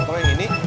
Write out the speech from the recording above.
motor yang ini